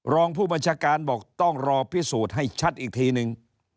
รองผู้บัญชาการบอกต้องรอพิสูจน์ให้ชัดอีกทีนึง